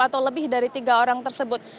atau lebih dari tiga orang tersebut